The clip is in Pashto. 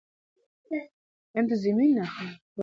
د ګل دانۍ ګلان ډېر ښکلي ښکاري.